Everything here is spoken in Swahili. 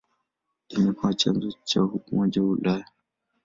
Imekuwa chanzo cha Umoja wa Ulaya.